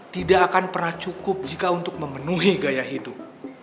tidak akan pernah cukup jika untuk memenuhi gaya hidup